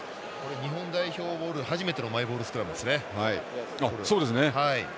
日本代表ボール、初めてのマイボールスクラムですね。